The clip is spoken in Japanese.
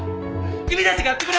君たちがやってくれ！